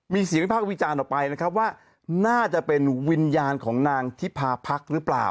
มีเสียงวิพากษ์วิจารณ์ออกไปนะครับว่าน่าจะเป็นวิญญาณของนางทิพาพักหรือเปล่า